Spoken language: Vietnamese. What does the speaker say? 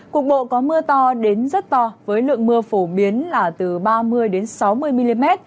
cục bộ có mưa to đến rất to với lượng mưa phổ biến là từ ba mươi sáu mươi mm